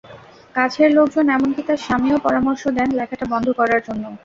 কাছের লোকজন এমনকি তাঁর স্বামীও পরামর্শ দেন লেখাটা বন্ধ করার জন্য।